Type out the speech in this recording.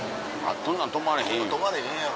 そんなん泊まれへんよ。